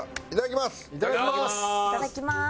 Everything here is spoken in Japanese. いただきます。